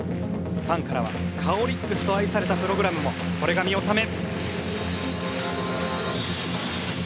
ファンからは「カオリックス」と愛されたプログラムもこれが見納め。